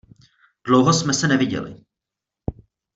Dlouho jsme se neviděli.